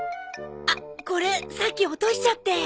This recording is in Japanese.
あっこれさっき落としちゃって。